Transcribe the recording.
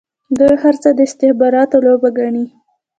دوی هر څه د استخباراتو لوبه ګڼي.